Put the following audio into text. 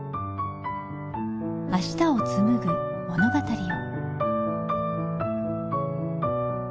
明日をつむぐ物語を。